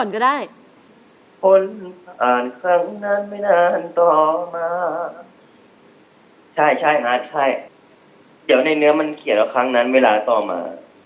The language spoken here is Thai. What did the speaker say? แล้วครั้งนั้นเวลาต่อมา